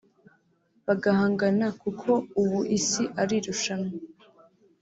bagahangana kuko ubu isi ari irushanwa